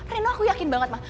reno aku yakin banget ma